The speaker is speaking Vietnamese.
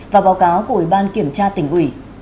và báo cáo của ủy ban kiểm tra tỉnh ủy